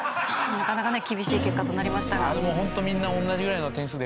なかなか厳しい結果となりましたが。